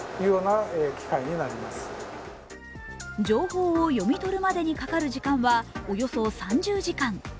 情報を読み取るまでにかかる時間は、およそ３０時間。